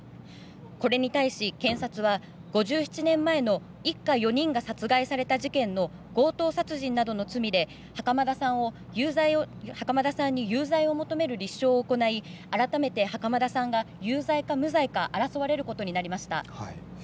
これに対し検察は５７年前の一家４人が殺害された事件の強盗殺人などの罪で袴田さんに有罪を求める立証を行い改めて袴田さんが有罪か無罪か争われることになりました。